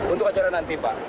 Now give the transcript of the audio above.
untuk acara nanti pak